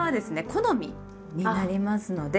好みになりますので。